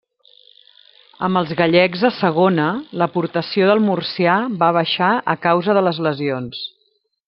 Amb els gallecs, a Segona, l'aportació del murcià va baixar a causa de les lesions.